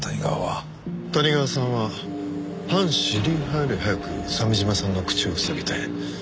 谷川さんは反主流派より早く鮫島さんの口を塞ぎたい。